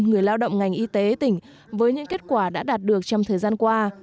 người lao động ngành y tế tỉnh với những kết quả đã đạt được trong thời gian qua